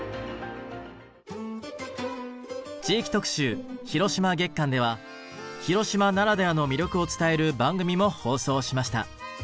地域特集・広島月間では広島ならではの魅力を伝える番組も放送しました。